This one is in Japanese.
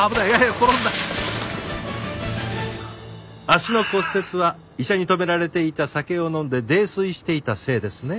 足の骨折は医者に止められていた酒を飲んで泥酔していたせいですね？